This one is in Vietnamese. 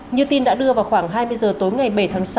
như tin đã đưa vào khoảng hai mươi h tối ngày bảy tháng sáu